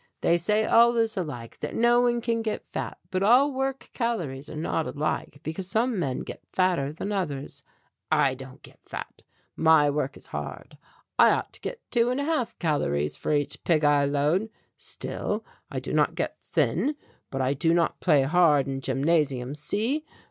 They say all is alike, that no one can get fat. But all work calories are not alike because some men get fatter than others. I don't get fat; my work is hard. I ought to get two and a half calories for each pig I load. Still I do not get thin, but I do not play hard in gymnasium, see?